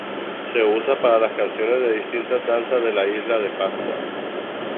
Se usa para las canciones de distintas danzas de la isla de Pascua.